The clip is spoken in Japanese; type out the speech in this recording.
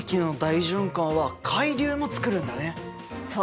そう。